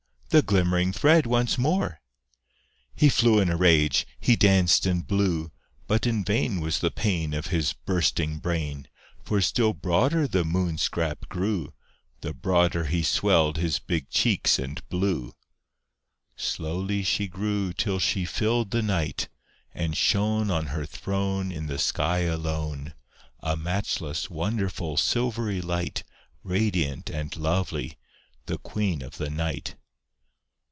The glimmering thread once more! He flew in a rage he danced and blew; But in vain Was the pain Of his bursting brain; For still the broader the Moon scrap grew, The broader he swelled his big cheeks and blew. Slowly she grew till she filled the night, And shone On her throne In the sky alone, A matchless, wonderful, silvery light, Radiant and lovely, the Queen of the night.